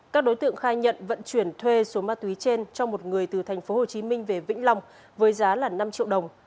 các đối tượng khai nhận vận chuyển thuê số bà túy trên cho một người từ thành phố hồ chí minh về vĩnh long với giá năm triệu đồng